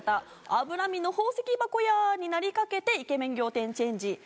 「『脂身の宝石箱や』になりかけてイケメン仰天チェンジ」。